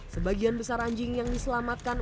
sebagian besar anjing yang diselamatkan